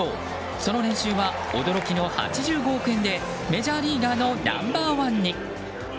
その年収は驚きの８５億円でメジャーリーガーのナンバー１に。